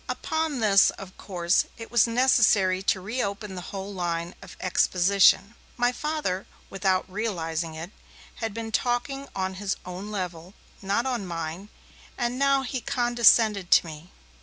Upon this, of course, it was necessary to reopen the whole line of exposition. My Father, without realizing it, had been talking on his own level, not on mine, and now he condescended to me.